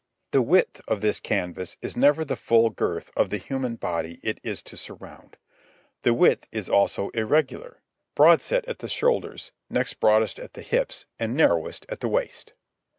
The width of this canvas is never the full girth of the human body it is to surround. The width is also irregular—broadest at the shoulders, next broadest at the hips, and narrowest at the waist.